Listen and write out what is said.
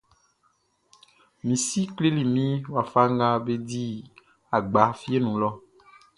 Mi si kleli min wafa nga be di agba fieʼn nun lɔʼn.